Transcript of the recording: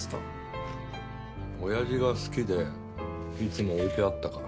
おやじが好きでいつも置いてあったから。